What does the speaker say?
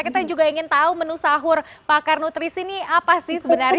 kita juga ingin tahu menu sahur pakar nutrisi ini apa sih sebenarnya